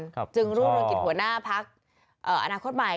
ครับคุณชอบจึงรูปโรงกิจหัวหน้าพักษ์อนาคตใหม่